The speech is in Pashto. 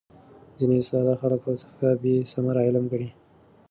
ځیني ساده خلک فلسفه بېثمره علم ګڼي.